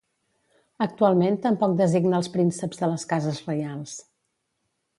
Actualment tampoc designa els prínceps de les cases reials.